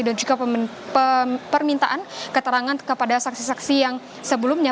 dan juga permintaan keterangan kepada saksi saksi yang sebelumnya